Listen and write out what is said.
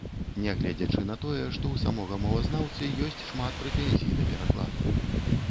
Нягледзячы на тое, што ў самога мовазнаўцы ёсць шмат прэтэнзій да перакладу.